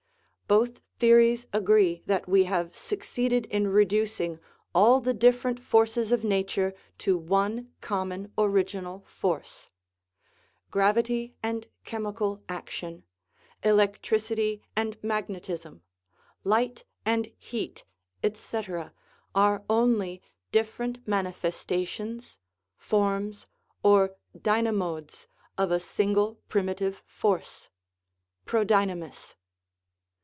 Both theories agree that we have succeeded in reducing all the different forces of nature to one common original force; gravity and chemical action, electricity and magnetism, light and heat, etc., are only different man ifestations, forms, or dynamodes, of a single primitive force (prodynamis)